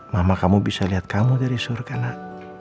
mama kamu bisa lihat kamu dari surga nak